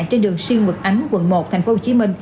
trên đường siêu nguyệt ánh quận một tp hcm